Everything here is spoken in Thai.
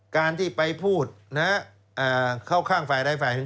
การที่ไปพูดเข้าข้างฝ่ายใดฝ่ายหนึ่ง